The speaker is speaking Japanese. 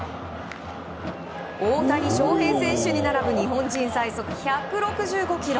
大谷翔平選手に並ぶ日本人最速１６５キロ。